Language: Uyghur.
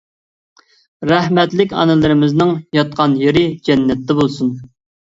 رەھمەتلىك ئانىلىرىمىزنىڭ ياتقان يېرى جەننەتتە بولسۇن.